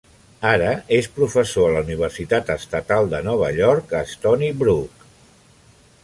Ara és professor a la Universitat Estatal de Nova York a Stony Brook.